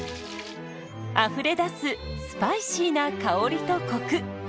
あふれ出すスパイシーな香りとコク。